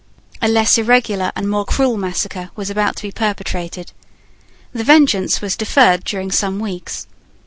A less irregular and more cruel massacre was about to be perpetrated. The vengeance was deferred during some weeks.